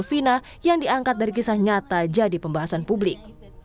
fina yang diangkat dari kisah nyata jadi pembahasan publik